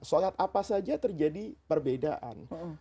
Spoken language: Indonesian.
sholat apa saja terjadi perbedaan